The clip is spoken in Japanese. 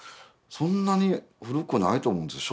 そんなに古くないと思うんです